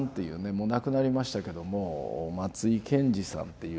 もう亡くなりましたけども松井さんっていう。